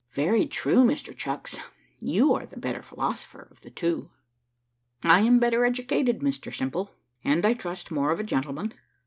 "Very true, Mr Chucks, you are the better philosopher of the two." "I am the better educated, Mr Simple, and, I trust, more of a gentleman.